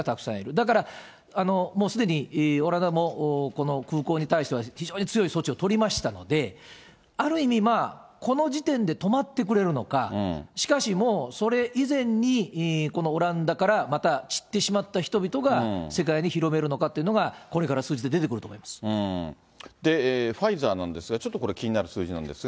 だからもうすでにオランダも、この空港に対しては非常に強い措置を取りましたので、ある意味、まあ、この時点で止まってくれるのか、しかしもう、それ以前にこのオランダからまた、散ってしまった人々が世界に広めるのかっていうのが、これから数ファイザーなんですが、ちょっとこれ、気になる数字なんですが。